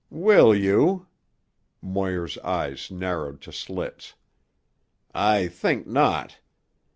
"Will you?" Moir's eyes narrowed to slits. "I think not.